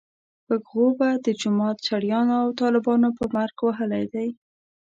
پک غوبه د جومات چړیانو او طالبانو په مرګ وهلی دی.